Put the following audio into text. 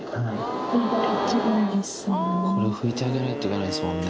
これ拭いてあげないといけないんですもんね。